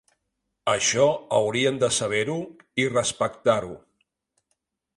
Això haurien de saber-ho i respectar-ho.